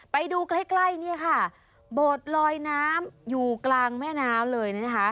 ไปดูใกล้โบสถ์ลอยน้ำอยู่กลางแม่น้ำเลย